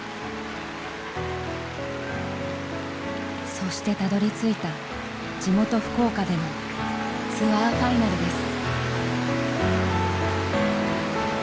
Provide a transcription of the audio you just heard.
そしてたどりついた地元福岡でのツアーファイナルです。